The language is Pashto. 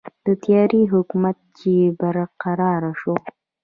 د تیارې حکومت چې برقراره شو.